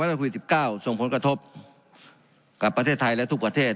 วัตถุสี่สิบเก้าส่งผลกระทบกับประเทศไทยและทุกประเทศ